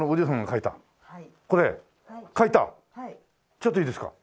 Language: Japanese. ちょっといいですか？